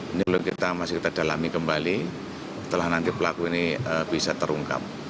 ini masih kita dalami kembali setelah nanti pelaku ini bisa terungkap